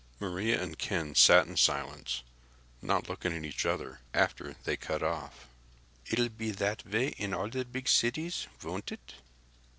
Maria and Ken sat in silence, not looking at each other, after they cut off. "It will be that way in all the big cities, won't it?"